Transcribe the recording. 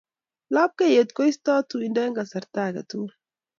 Lapkeiyet koistoi tuindo eng kasarta age tugul